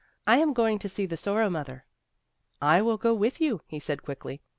"I am going to see the Sorrow mother." "I will go with you," he said quickly.